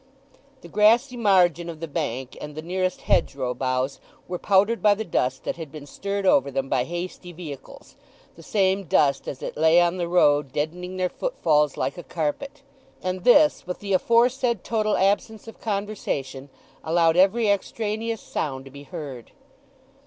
The grassy margin of the bank, and the nearest hedgerow boughs, were powdered by the dust that had been stirred over them by hasty vehicles, the same dust as it lay on the road deadening their footfalls like a carpet; and this, with the aforesaid total absence of conversation, allowed every extraneous sound to be heard.